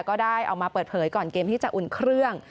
ก็ได้ออกมาเปิดเผยก่อนเกมที่จะอุ่นเครื่อง